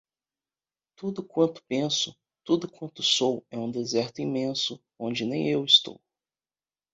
Tudo quanto penso, Tudo quanto sou é um deserto imenso onde nem eu estou.